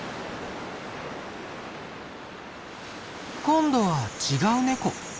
今度は違うネコ。